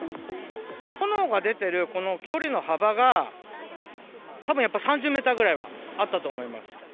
炎が出てるこの距離の幅が、たぶんやっぱ３０メーターぐらいはあったと思います。